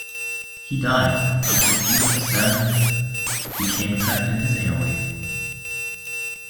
He died after a piece of salmon became trapped in his airway.